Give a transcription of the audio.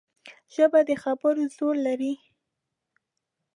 ژبه د خبرو زور لري